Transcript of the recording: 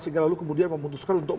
sehingga lalu kemudian memutuskan untuk